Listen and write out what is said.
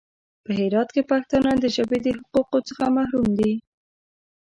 په هرات کې پښتانه د ژبې د حقوقو څخه محروم دي.